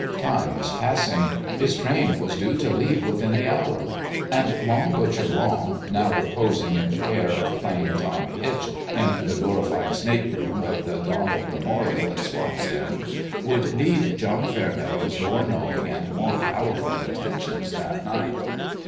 Time was passing; his train was due to leave within the hour ; and Long Butcher Long, now reposing in the care of Plain Tom Hitch in the glorified snake room of the Donald Memorial at Swamp's End, would need John Fairmeadow's more knowing and more powerful attentions that night.